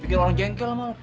bikin orang jengkel banget